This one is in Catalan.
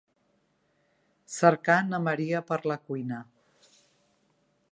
Cercar na Maria per la cuina.